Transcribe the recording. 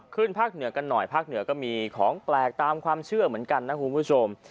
ภาคเหนือกันหน่อยภาคเหนือก็มีของแปลกตามความเชื่อเหมือนกันนะคุณผู้ชม